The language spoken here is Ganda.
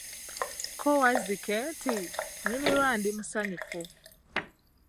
Ko Wazzike nti, nyumirwa ndi musanyufu.